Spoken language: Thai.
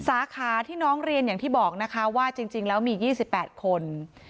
สาขาที่น้องเรียนอย่างที่บอกนะคะว่าจริงจริงแล้วมียี่สิบแปดคน